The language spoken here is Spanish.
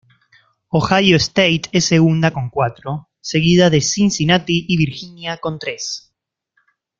Ohio State es segunda con cuatro, seguida de Cincinnati y Virginia con tres.